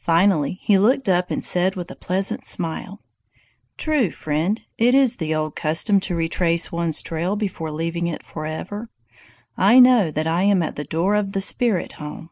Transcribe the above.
Finally he looked up and said with a pleasant smile: "True, friend; it is the old custom to retrace one's trail before leaving it forever! I know that I am at the door of the spirit home.